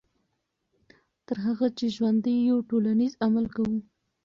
تر هغه چې ژوندي یو ټولنیز عمل کوو.